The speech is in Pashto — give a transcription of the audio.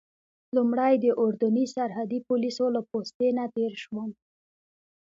لومړی د اردني سرحدي پولیسو له پوستې نه تېر شوم.